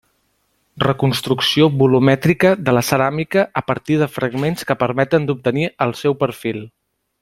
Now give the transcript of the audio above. Reconstrucció volumètrica de la ceràmica a partir de fragments que permeten d'obtenir el seu perfil.